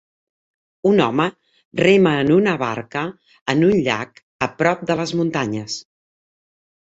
Un home rema en una barca en un llac a prop de les muntanyes.